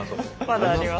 まだあります。